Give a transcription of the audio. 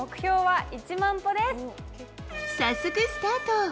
早速スタート。